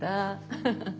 ハハハッ。